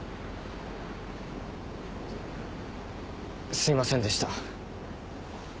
すいませんでした。